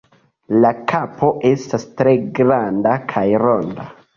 La kapo estas tre granda kaj ronda.